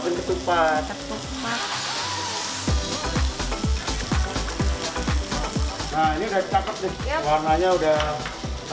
nah ini udah cakep sih warnanya udah